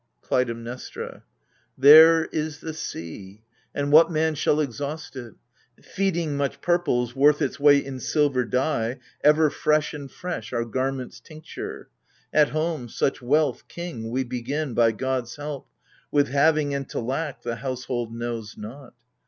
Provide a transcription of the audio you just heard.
KLUTAIMNESTRA. There is the sea — and what man shall exhaust it ?— Feeding much purple's worth its weight in silver JDye, ever fresh and fresh, our garments' tincture \ At home, such wealth, king, we begin — by gods' help With having, and to lack, the household knows not.